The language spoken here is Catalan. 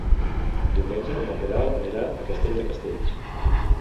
Diumenge na Queralt anirà a Castell de Castells.